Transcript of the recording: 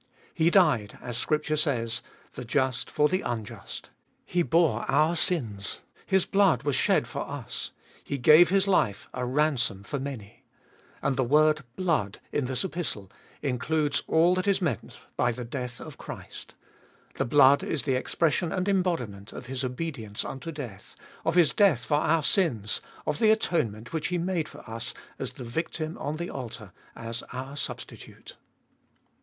He died, as Scripture says, the just for the unjust ; He bore our sins ; His blood was shed for us ; He gave His life a ransom for many. And the word " blood " in this Epistle includes all that is meant by the death of Christ ; the blood is the expression and embodiment of His obedience unto death, of His death for our sins, of the atonement which He made for us as the victim on the altar, as our Substitute.